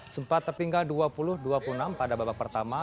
sempat terpinggal dua puluh dua puluh enam pada babak pertama